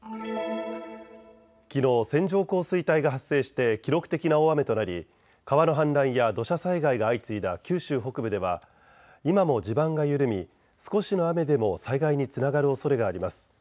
きのう線状降水帯が発生して記録的な大雨となり川の氾濫や土砂災害が相次いだ九州北部では今も地盤が緩み少しの雨でも災害につながるおそれがあります。